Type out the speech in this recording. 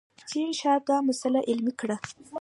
جین شارپ دا مسئله علمي کړه.